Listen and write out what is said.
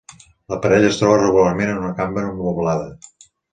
La parella es troba regularment en una cambra moblada.